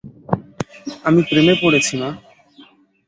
আমি প্রেমে পড়েছি, মা।